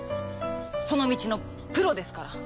その道のプロですから。